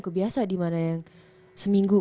kebiasa dimana yang seminggu